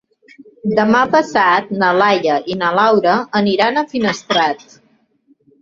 Demà passat na Laia i na Laura aniran a Finestrat.